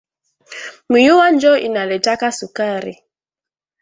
Myuwa njo inaletaka sukari